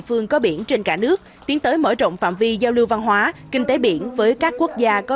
phương có biển trên cả nước tiến tới mở rộng phạm vi giao lưu văn hóa kinh tế biển với các quốc gia có